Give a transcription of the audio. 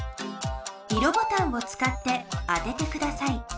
色ボタンをつかって当ててください。